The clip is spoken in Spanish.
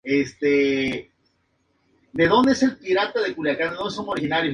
Fue el primer título mundial en la historia de la Selección argentina.